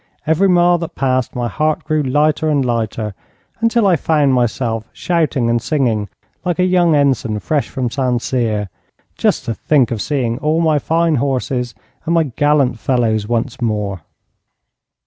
Every mile that passed, my heart grew lighter and lighter, until I found myself shouting and singing like a young ensign fresh from St Cyr, just to think of seeing all my fine horses and my gallant fellows once more.